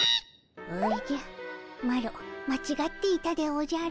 おじゃマロまちがっていたでおじゃる。